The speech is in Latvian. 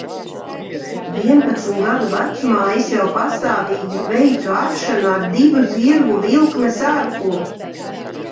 Vienpadsmit gadu vecumā es jau pastāvīgi veicu aršanu ar divu zirgu vilkmes arklu.